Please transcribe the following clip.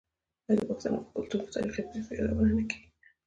آیا د پښتنو په کلتور کې د تاریخي پیښو یادونه نه کیږي؟